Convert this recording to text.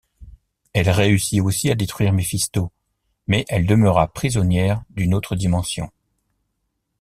Elle réussit aussi à détruire Méphisto, mais elle demeura prisonnière d'une autre dimension.